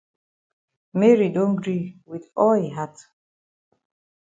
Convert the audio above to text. Mary don gree wit all yi heart.